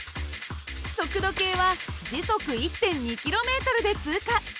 速度計は時速１．２ｋｍで通過。